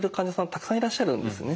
たくさんいらっしゃるんですね。